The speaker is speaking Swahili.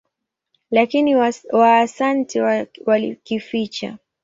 Lakini Waasante walikificha.